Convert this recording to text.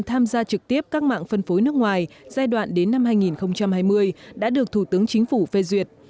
tham gia trực tiếp các mạng phân phối nước ngoài giai đoạn đến năm hai nghìn hai mươi đã được thủ tướng chính phủ phê duyệt